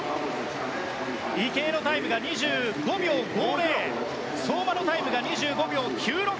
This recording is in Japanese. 池江のタイムが２５秒５０相馬のタイムが２５秒９６。